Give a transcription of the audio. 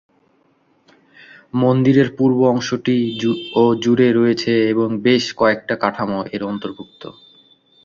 মন্দিরের পূর্ব অংশটি ও জুড়ে রয়েছে এবং বেশ কয়েকটি কাঠামো এর অন্তর্ভুক্ত।